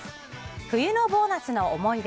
冬のボーナスの思い出